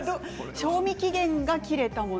賞味期限が切れたもの